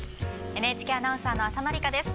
ＮＨＫアナウンサーの浅野里香です。